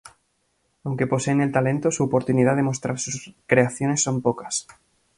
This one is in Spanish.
Aunque poseen el talento, su oportunidad de mostrar sus creaciones son pocas.